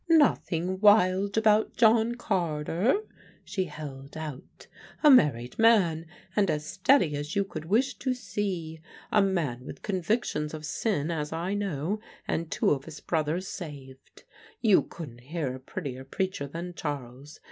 "Nothing wild about John Carter," she held out. "A married man and as steady as you could wish to see; a man with convictions of sin, as I know, an' two of his brothers saved. You couldn' hear a prettier preacher than Charles.